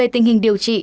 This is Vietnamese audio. tình hình điều trị